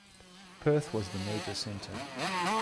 Perth was the major centre.